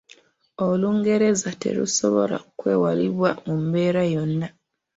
Olungereza terusobola kwewalibwa mu mbeera yonna.